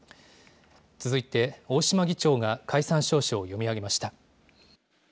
続いて、大島議長が解散詔書を読み上げました。